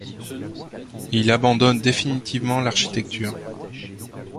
Il abandonne définitivement l'architecture.